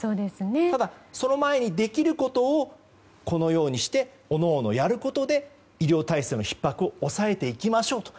ただ、その前にできることをこのようにしておのおの、やることで医療体制のひっ迫を抑えていきましょうと。